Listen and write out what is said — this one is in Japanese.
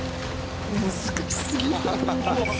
難しすぎた。